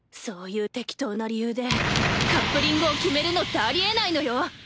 そういう適当な理由でカップリングを決めるのってありえないのよ！